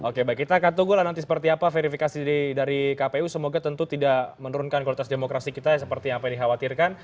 oke baik kita akan tunggu lah nanti seperti apa verifikasi dari kpu semoga tentu tidak menurunkan kualitas demokrasi kita seperti apa yang dikhawatirkan